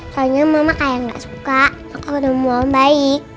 soalnya mama kayak gak suka aku udah mau baik